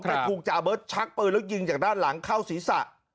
แต่ถูกจาเบิร์ตชักปืนแล้วยิงจากด้านหลังเข้าศีรษะ